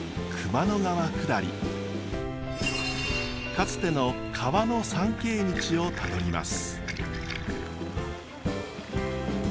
かつての川の参詣道をたどります。